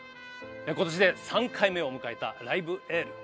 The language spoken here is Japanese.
今年で３回目を迎えた「ライブ・エール」。